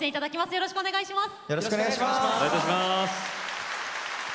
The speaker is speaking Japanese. よろしくお願いします。